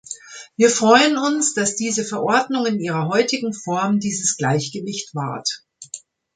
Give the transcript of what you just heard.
Wir freuen uns, dass diese Verordnung in ihrer heutigen Form dieses Gleichgewicht wahrt.